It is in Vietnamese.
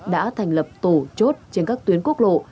đã thành lập tổ chốt trên các tuyến quốc lộ